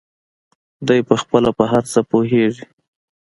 دى پخپله په هر څه پوهېږي.